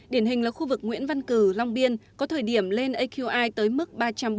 điển hình là khu vực nguyễn văn cử long biên có thời điểm lên aqi tới mức ba trăm bốn mươi